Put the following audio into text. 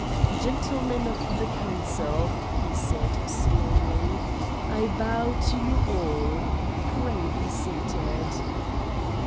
"Gentlemen of the Council," he said, slowly, "I bow to you all. Pray be seated."